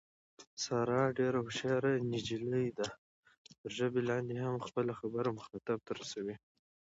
ساره ډېره هوښیاره نجیلۍ ده، تر ژبه لاندې هم خپله خبره مخاطب ته رسوي.